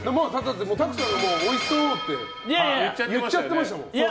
拓さんもおいしそうって言っちゃってましたもん。